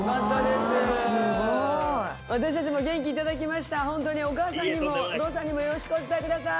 すごい。私たちも元気頂きましたホントにお母さんにもお父さんにもよろしくお伝えください。